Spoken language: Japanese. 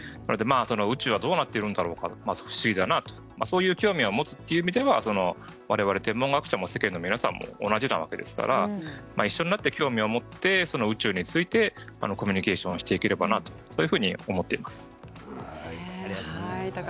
宇宙がどうなっているんだろうか不思議だなという興味を持つという意味では我々も学者も世間の皆さんも同じなわけですから一緒になって興味を持って宇宙についてコミュニケーションをしていければと思っております。